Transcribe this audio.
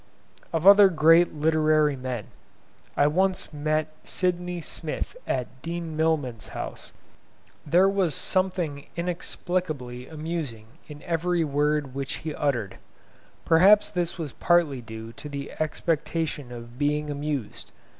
Of other great literary men, I once met Sydney Smith at Dean Milman's house. There was something inexplicably amusing in every word which he uttered. Perhaps this was partly due to the expectation of being amused.